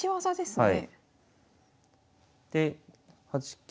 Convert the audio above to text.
はい。